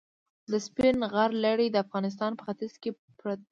د سپین غر لړۍ د افغانستان په ختیځ کې پرته ده.